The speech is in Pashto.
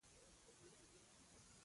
مړه ته د صبر او سکون دعا غواړو